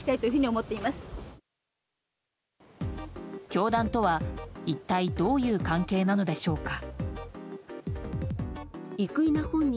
教団とは一体どういう関係なのでしょうか。